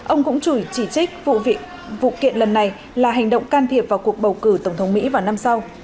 ông cũng chùi chỉ trích vụ kiện lần này là hành động can thiệp vào cuộc bầu cử tổng thống mỹ vào năm sau